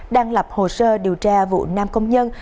đang lập hồ sơ điều tra vụ nam công nhân